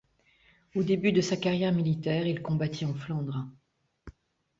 Au début de sa carrière militaire, il combattit en Flandre.